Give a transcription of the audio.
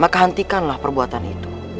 maka hentikanlah perbuatan itu